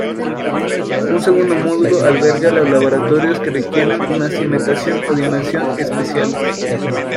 Un segundo módulo alberga los laboratorios que requieren una cimentación o dimensión especiales.